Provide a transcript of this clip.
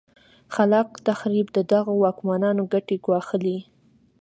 خلا ق تخریب د دغو واکمنانو ګټې ګواښلې.